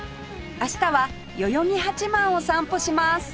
明日は代々木八幡を散歩します